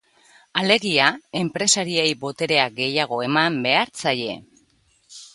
Alegia, enpresariei botere gehiago eman behar zaie.